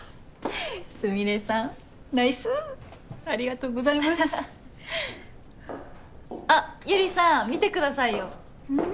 スミレさんナイスありがとうございますあっ百合さん見てくださいようん？